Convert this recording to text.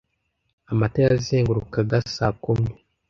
Amata yazengurukaga saa kumi